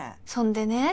そんでね